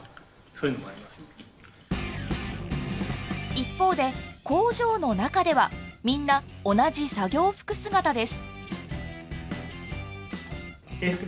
一方で工場の中ではみんな同じ作業服姿です。